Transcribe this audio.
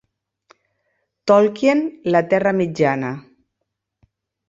Tolkien, la Terra Mitjana.